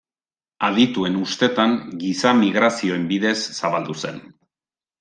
Adituen ustetan, giza-migrazioen bidez zabaldu zen.